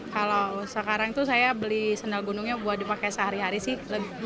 kalau sekarang itu saya beli sandal gunungnya buat dipakai sehari hari sih